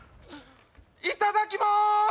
いただきます